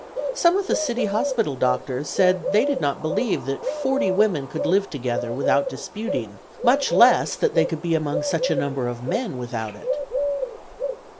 Some of the city hospital doctors said they did not believe that forty women could live together without disputing, much less that they could be among such a number of men without it.